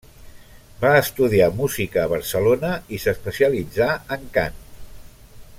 Va estudiar música a Barcelona i s'especialitzà en cant.